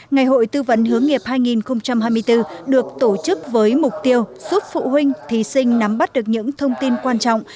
ngày hội tư vấn hướng nghiệp hai nghìn hai mươi bốn được tổ chức với mục tiêu giúp phụ huynh thí sinh nắm bắt được những thông tin quan trọng